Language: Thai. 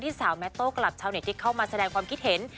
สาวแมทโต้กลับชาวเน็ตที่เข้ามาแสดงความคิดเห็น